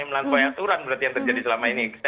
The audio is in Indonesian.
melampaui aturan berarti yang terjadi selama ini